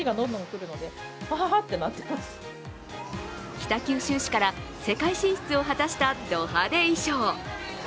北九州市から世界進出を果たしたド派手衣装。